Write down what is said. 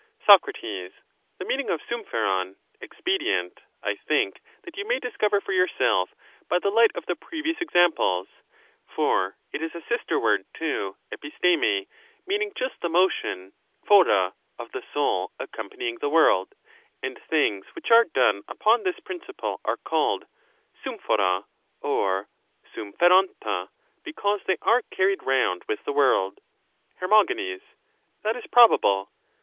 Soc. The meaning of avu(f>epov (expedient) I think that you may discover for yourself by the light of the previous exam ples,— for it is a sister word to 'arnarrjinj, meaning just the motion {(popd) of the soul accompanying the world, and things which are done upon this principle are called avii<popa or avji (pepovra, because they are carried round with the world. Her. That is probable.